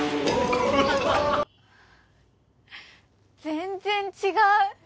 全然違う！